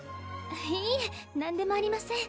いえ何でもありません